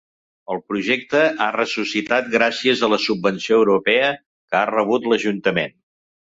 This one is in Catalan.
El projecte ha ressuscitat gràcies a la subvenció europea que ha rebut l’ajuntament.